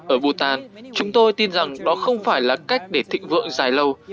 ở bhutan chúng tôi tin rằng đó không phải là cách để thịnh vượng dài lâu